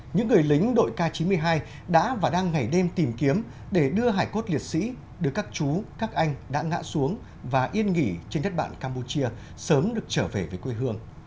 những người lính đội k chín mươi hai đã và đang ngày đêm tìm kiếm để đưa hải cốt liệt sĩ đưa các chú các anh đã ngã xuống và yên nghỉ trên đất bạn campuchia sớm được trở về với quê hương